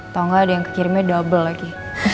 tau gak ada yang kekirimnya double lagi